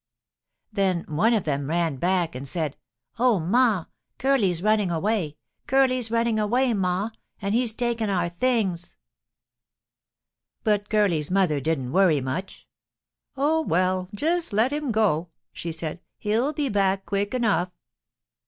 Then one of them ran back and said, 'Oh, ma, Curly's running away! Curly's running away, ma, and he's taken our things!' "But Curly's mother didn't worry much. 'Oh, well, just let him go,' she said. 'He'll be back quick enough.'